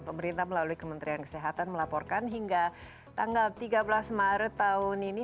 pemerintah melalui kementerian kesehatan melaporkan hingga tanggal tiga belas maret tahun ini